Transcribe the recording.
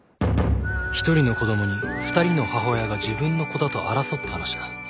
１人の子どもに２人の母親が自分の子だと争った話だ。